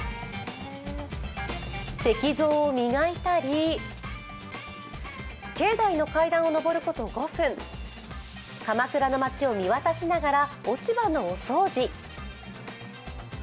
石像を磨いたり、境内の階段を上ること５分鎌倉の町を見渡しながら落ち葉のお掃除。